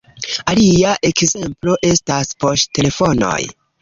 Alia ekzemplo estas poŝtelefonoj.